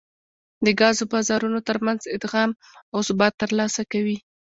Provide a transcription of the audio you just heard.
د ګازو بازارونو ترمنځ ادغام او ثبات ترلاسه کوي